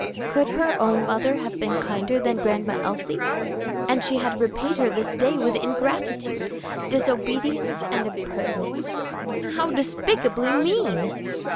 Could her own mother have been kinder than Grandma Elsie? and she had repaid her this day with ingratitude, disobedience and impertinence. How despicably mean!